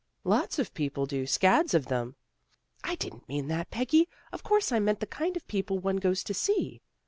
" Lots of people do. Scads of 'em." " I didn't mean that, Peggy. Of course I meant the kind of people one goes to see."